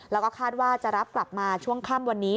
แล้วก็คาดว่าจะรับกลับมาช่วงค่ำวันนี้